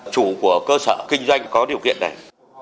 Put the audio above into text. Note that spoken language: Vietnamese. chủ của cơ sở kinh doanh có điều kiện để